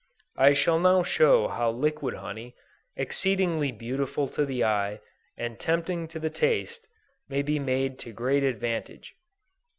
I shall now show how liquid honey, exceedingly beautiful to the eye, and tempting to the taste, may be made to great advantage.